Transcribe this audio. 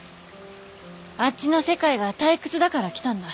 あっちの世界が退屈だから来たんだ。